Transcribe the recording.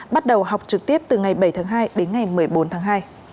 bắt đầu học trực tiếp từ ngày bảy tháng hai đến ngày một mươi bốn tháng hai